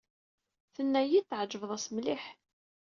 Tenna-iyi-d tɛejbeḍ-as mliḥ.